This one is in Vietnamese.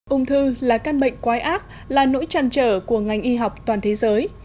ung thư là căn bệnh quái ác là nỗi tràn trở của ngành y học toàn thế giới